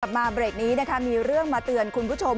มาเบรกนี้นะคะมีเรื่องมาเตือนคุณผู้ชม